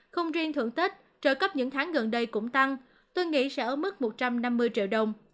không riêng thưởng tết trợ cấp những tháng gần đây cũng tăng tôi nghĩ sẽ ở mức một trăm năm mươi triệu đồng